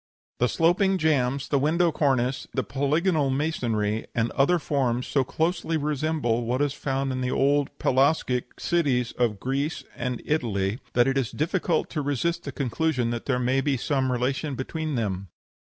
"The sloping jambs, the window cornice, the polygonal masonry, and other forms so closely resemble what is found in the old Pelasgic cities of Greece and Italy, that it is difficult to resist the conclusion that there may be some relation between them."